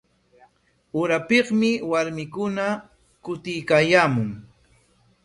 Urapikmi warmikuna kutiykaayaamun.